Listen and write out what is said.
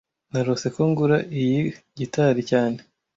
Narose ko ngura iyi gitari cyane